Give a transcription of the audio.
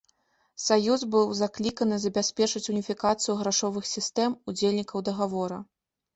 Саюз быў закліканы забяспечыць уніфікацыю грашовых сістэм удзельнікаў дагавора.